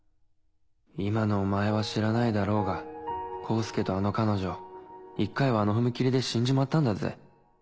今のお前は知らないだろうが功介とあの彼女１回はあの踏切で死んじまったんだぜ？